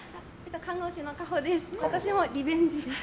看護師のかほです。